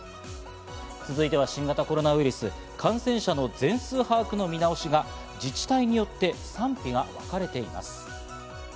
続いては、新型コロナウイルス感染者の全数把握の見直しが自治体によって賛否がわかれています。